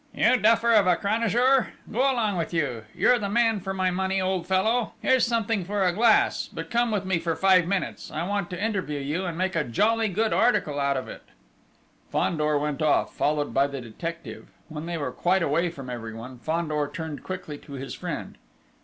"You duffer of a Cranajour! Go along with you! You're the man for my money, old fellow! Here's something for a glass but come with me for five minutes: I want to interview you and make a jolly good article out of it!" Fandor went off, followed by the detective. When they were quite away from everyone, Fandor turned quickly to his friend.